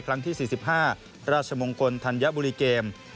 ครั้งที่๔๕ราชมงฎธัณยบุรีเกม